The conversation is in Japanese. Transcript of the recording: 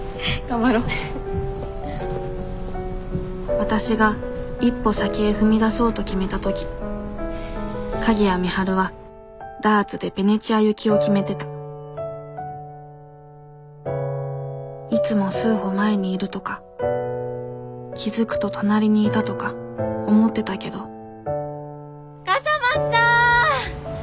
わたしが一歩先へ踏み出そうと決めた時鍵谷美晴はダーツでベネチア行きを決めてたいつも数歩前にいるとか気付くと隣にいたとか思ってたけど笠松さん！